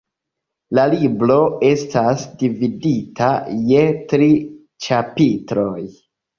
La libro estas dividita je tri ĉapitroj.